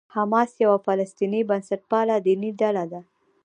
حماس یوه فلسطیني بنسټپاله دیني ډله ده.